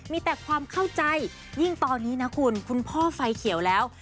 มีแต่ความเข้าใจยิ่งตอนนี้นะคุณคุณพ่อไฟเขียวแล้ว